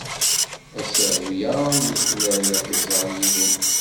Asaru-a yuklal ad t-iẓer yiwen.